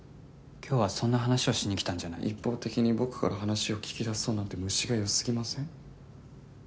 今日はそんな話をしに来たんじゃない一方的に僕から話を聞き出そうなんて虫がよすぎません？